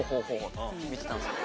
見てたんですよ。